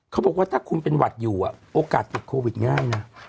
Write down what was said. เขาบอกว่าถ้าคุณเป็นหวัดอยู่โอกาสติดโควิดง่ายนะ